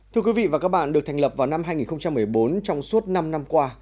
thưa quý vị và các bạn được thành lập vào năm hai nghìn một mươi bốn trong suốt năm năm qua